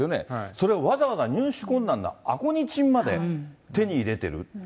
それをわざわざ入手困難なアコニチンまで手に入れてる。